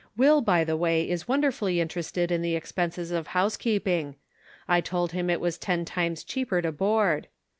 Will by the way, is wonderfully interested in the expenses of house keeping. I told him it was ten times cheaper to board.